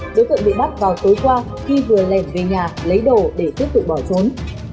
đối tượng bị bắt vào tối qua khi vừa lèn về nhà lấy đồ để tiếp tục bỏ trốn